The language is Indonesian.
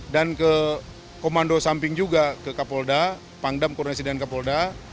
dan ke komando samping juga ke kapolda pangdam kurnasidian kapolda